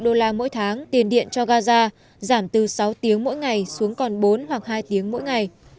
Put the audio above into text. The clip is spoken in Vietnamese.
đô la mỗi tháng tiền điện cho gaza giảm từ sáu tiếng mỗi ngày xuống còn bốn hoặc hai tiếng mỗi ngày